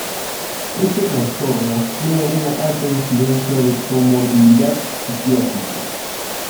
Este trastorno tiene una alta incidencia de comorbilidad psiquiátrica.